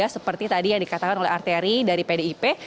seperti tadi yang dikatakan oleh arteri dari pdip